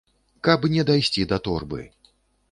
Каб не дайсці да торбы.